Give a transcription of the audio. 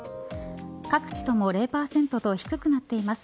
各地とも０％と低くなっています。